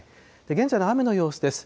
現在の雨の様子です。